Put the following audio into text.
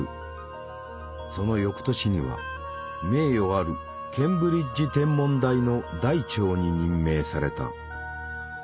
その翌年には名誉あるケンブリッジ天文台の台長に任命された。